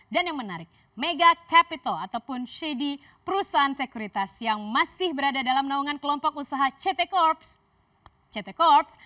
dan yang menarik mega capital ataupun shady perusahaan sekuritas yang masih berada dalam naungan kelompok usaha ct corp